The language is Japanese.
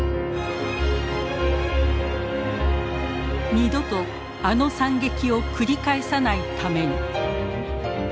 二度とあの惨劇を繰り返さないために。